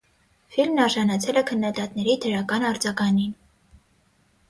Ֆիլմն արժանացել է քննադատների դրական արձագանին։